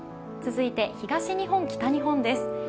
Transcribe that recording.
続いて東日本、北日本です。